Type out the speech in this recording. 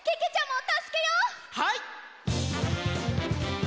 はい！